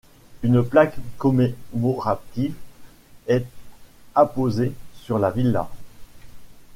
Une plaque commémorative est apposée sur la villa.